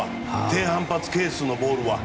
低反発係数のボールは。